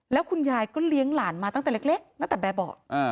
แล้วคุณยายก็เลี้ยงหลานมาตั้งแต่เล็กตั้งแต่แบบบอก